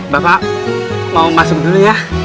bapak mau masuk dulu ya